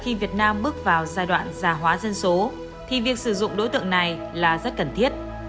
khi việt nam bước vào giai đoạn già hóa dân số thì việc sử dụng đối tượng này là rất cần thiết